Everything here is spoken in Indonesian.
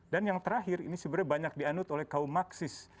dan yang terakhir ini sebenarnya banyak dianut oleh kaum maksis